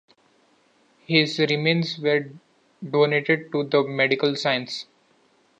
His remains were donated to medical science.